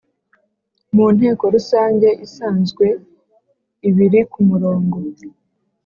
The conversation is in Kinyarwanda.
Mu nteko rusange isanzwe ibiri ku murongo